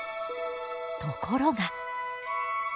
ところが。